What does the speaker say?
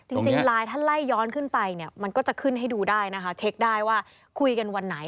จริงไลน์ถ้าไล่ย้อนขึ้นไปเนี่ยมันก็จะขึ้นให้ดูได้นะคะเช็คได้ว่าคุยกันวันไหน